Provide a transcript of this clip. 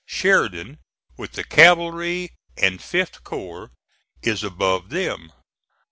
Sheridan with the cavalry and 5th corps is above them.